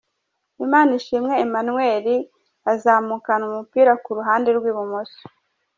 Imanishimwe Emmanuel azamukana umupira ku ruhande rw'ibumoso.